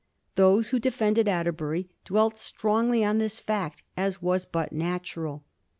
Those who defended Atterbury dwelt strongly on this fact, as was but natural.